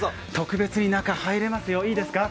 特別に中、入れますよ。